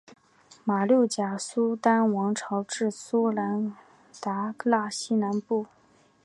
马六甲苏丹王朝至苏门答腊西南部。